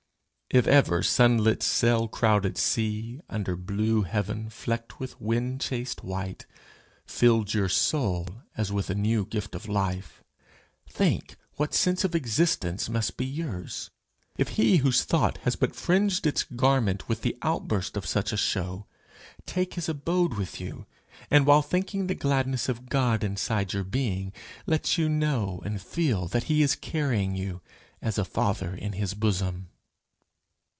If ever sunlit, sail crowded sea, under blue heaven flecked with wind chased white, filled your soul as with a new gift of life, think what sense of existence must be yours, if he whose thought has but fringed its garment with the outburst of such a show, take his abode with you, and while thinking the gladness of a God inside your being, let you know and feel that he is carrying you as a father in his bosom!